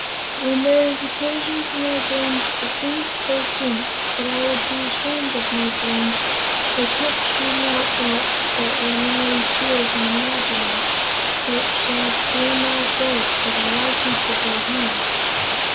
When there is occasion for my brains to think, they think, but I would be ashamed of my brains if they kept shooting out thoughts that were merely fears and imaginings, such as do no good, but are likely to do harm."